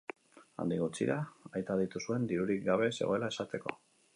Handik gutxira, aita deitu zuen dirurik gabe zegoela esateko.